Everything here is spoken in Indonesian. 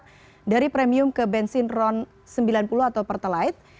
peralihan premium ke bensin ron sembilan puluh atau perthalite